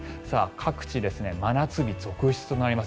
各地、真夏日続出となります。